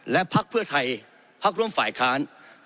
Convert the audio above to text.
และภักดิ์เพื่อไทยภักดิ์ร่วมฝ่ายค้าน